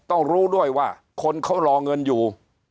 รู้ด้วยว่าคนเขารอเงินอยู่